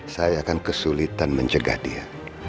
saya akan kesulitan mencegah dia